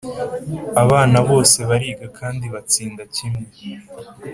abana bose bariga kandi batsinda kimwe.